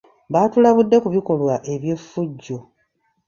Baatulabudde ku bikolwa eby'effujjo